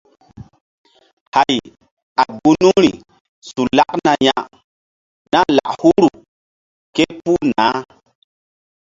Hay a gunuri su lakna ya na lak huru ké puh nah.